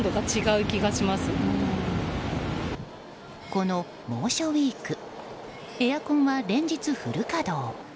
この猛暑ウィークエアコンは連日フル稼働。